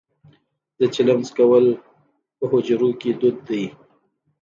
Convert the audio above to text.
د چلم څکول په حجرو کې دود دی.